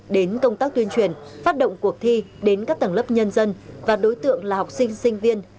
để tuyên truyền phát động cuộc thi đến các tầng lớp nhân dân và đối tượng là học sinh sinh viên